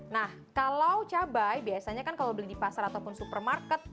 nah kalau cabai biasanya kan kalau beli di pasar ataupun supermarket